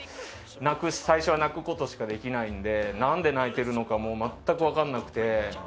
最初は泣くことしかできないので何で泣いてるのかも全く分からなくて。